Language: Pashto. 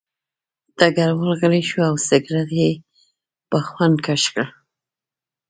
ډګروال غلی شو او سګرټ یې په خوند کش کړ